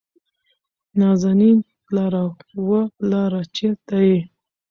نازنين: پلاره، وه پلاره چېرته يې ؟